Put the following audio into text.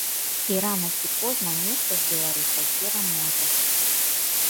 І рана ці позна нехта з беларусаў пераможа!